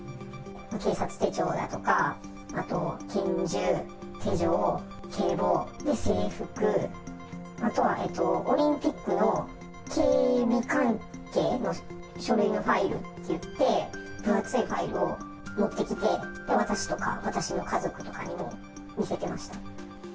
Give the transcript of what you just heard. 警察手帳だとか、あと拳銃、手錠、警棒、制服、あとはオリンピックの警備関係の書類のファイルって言って、分厚いファイルを持ってきて、私とか、私の家族とかにも見せてました。